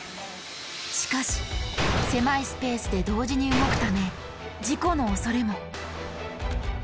しかし狭いスペースで同時に動くため事故のおそれも。